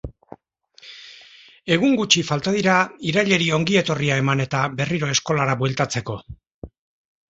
Egun gutxi falta dira irailari ongietorria eman eta berriro eskolara bueltatzeko.